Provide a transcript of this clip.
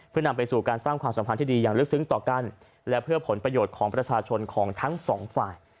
เพื่อนำไปสู่การสร้างความสัมพันธ์ที่ดีอย่างลึกซึ้งต่อกันและเพื่อผลประโยชน์ของประชาชนของทั้งสองฝ่าย